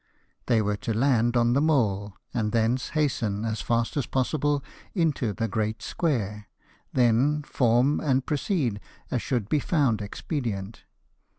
They were to land on the mole, and thence hasten, as fast as possible, into the great square ; then form, and proceed as should be found expedient.